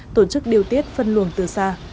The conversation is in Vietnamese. tổ chức điều tiết phân luồng từ xa